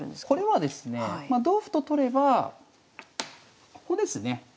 これはですねえまあ同歩と取ればここですね